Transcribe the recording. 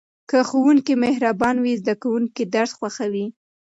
که ښوونکی مهربان وي زده کوونکي درس خوښوي.